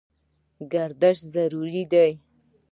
ګردش ضروري دی.